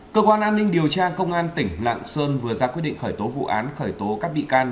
cơ quan an ninh điều tra công an tỉnh lạng sơn vừa ra quyết định khởi tố vụ án khởi tố các bị can